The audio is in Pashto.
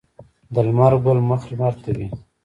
د لمر ګل مخ لمر ته وي.